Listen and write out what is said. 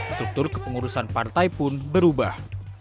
struktur kepengurusan partai pun berubah